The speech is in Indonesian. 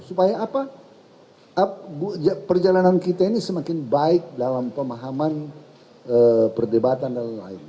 supaya apa perjalanan kita ini semakin baik dalam pemahaman perdebatan dan lain lain